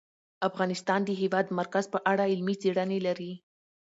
افغانستان د د هېواد مرکز په اړه علمي څېړنې لري.